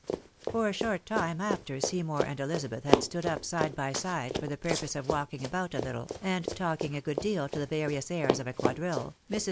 For a short time after Seymour and Ehzabeth had stood up side by side for the purpose of walking about a little, and talking a good deal to the various airs of a quadrille, Mi's.